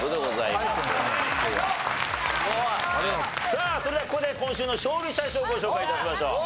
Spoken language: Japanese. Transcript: さあそれではここで今週の勝利者賞をご紹介致しましょう。